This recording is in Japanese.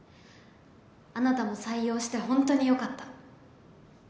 あなたも採用してほんとによかった。